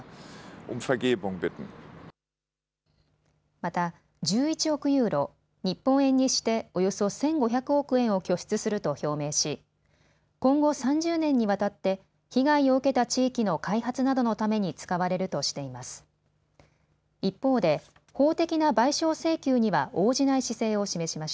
また、１１億ユーロ、日本円にしておよそ１５００億円を拠出すると表明し今後３０年にわたって被害を受けた地域の開発などのために使われるとしています。